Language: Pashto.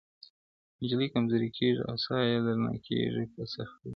نجلۍ کمزورې کيږي او ساه يې درنه کيږي په سختۍ,